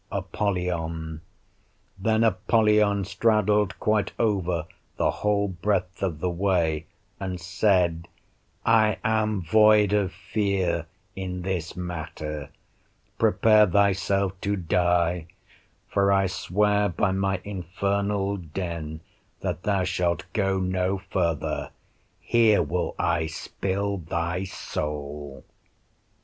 Apollyon Then Apollyon straddled quite over the whole breadth of the way, and said, I am void of fear in this matter; prepare thyself to die; for I swear by my infernal den, that thou shalt go no further; here will I spill thy soul.